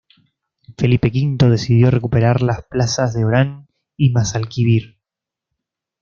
Felipe V decidió recuperar las plazas de Oran y Mazalquivir.